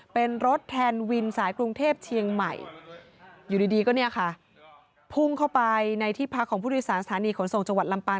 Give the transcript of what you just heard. เป็นรถแทนวินสายกรุงเทพเชียงใหม่อยู่ดีก็เนี่ยค่ะพุ่งเข้าไปในที่พักของผู้โดยสารสถานีขนส่งจังหวัดลำปาง